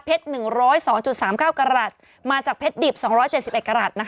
๑๐๒๓๙กรัฐมาจากเพชรดิบ๒๗๑กรัฐ